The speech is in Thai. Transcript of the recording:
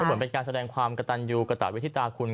ก็เหมือนเป็นการแสดงความกัดตันอยู่กับวิธีตาคุณ